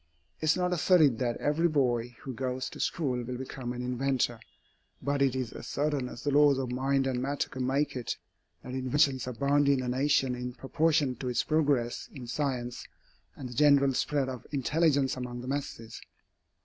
It is not asserted that every boy who goes to school will become an inventor. But it is as certain as the laws of mind and matter can make it, that inventions abound in a nation in proportion to its progress in science and the general spread of intelligence among the masses.